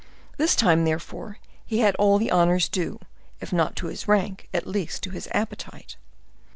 This time, therefore, he had all the honors due, if not to his rank, at least to his appetite.